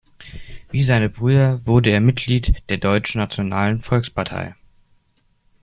Wie seine Brüder wurde er Mitglied der Deutschnationalen Volkspartei.